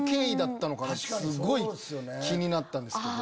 すごい気になったんですけど。